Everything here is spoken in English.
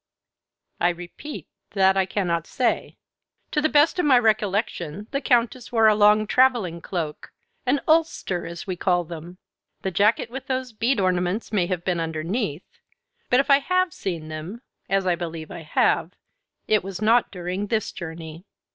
"I repeat that I cannot say. To the best of my recollection, the Countess wore a long travelling cloak an ulster, as we call them. The jacket with those bead ornaments may have been underneath. But if I have seen them, as I believe I have, it was not during this journey."